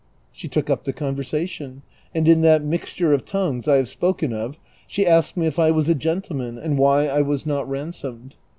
She took up the conversation, and in that mixture of tongues I have spoken of she asked me if I was a gentleman, and \y\\j I was not ransomed.